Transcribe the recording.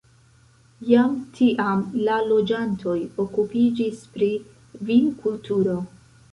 Jam tiam la loĝantoj okupiĝis pri vinkulturo.